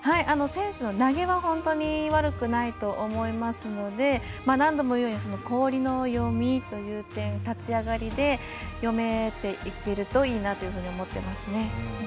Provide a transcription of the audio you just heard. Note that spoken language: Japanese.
選手の投げは本当に悪くないと思いますので何度もいうように氷の読みという点、立ち上がりで読めていけるといいなと思っていますね。